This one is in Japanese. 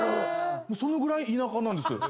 そのぐらい田舎なんです。